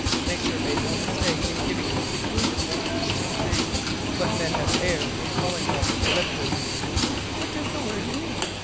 Nature made no mistake in giving this peculiar foliage to the tree, but men have erred in calling them EUCALYPTUS." "What does the word mean?"